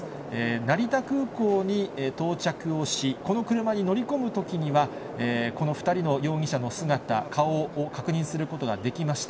成田空港に到着をし、この車に乗り込むときには、この２人の容疑者の姿、顔を確認することができました。